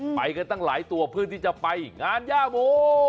ไปกันตั้งหลายตัวเพื่อที่จะไปงานย่าโม